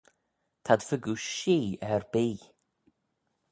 T'ad fegooish shee erbee.